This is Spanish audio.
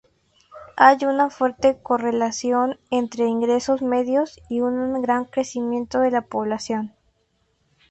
Hay una fuerte correlación entre ingresos medios y un gran crecimiento de la población.